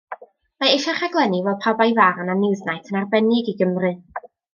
Mae eisiau rhaglenni fel Pawb a'i Farn a Newsnight yn arbennig i Gymru.